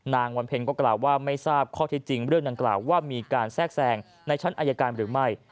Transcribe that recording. วันเพลงก็กล่าวว่าไม่ทราบข้อเท็จจริงเรื่องดังกล่าวว่ามีการแทรกแทรงในชั้นอายการหรือไม่